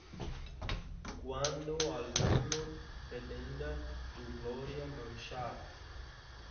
Cuando alguno pretenda tu gloria manchar